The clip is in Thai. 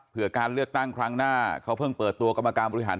เพื่อการเลือกตั้งครั้งหน้าเขาเพิ่งเปิดตัวกรรมการบริหาร